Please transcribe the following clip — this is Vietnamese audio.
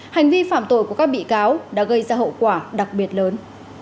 hành vi phạm tội của các bị cáo đã gây ra hậu quả đặc biệt lớn